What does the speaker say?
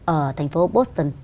ở thành phố boston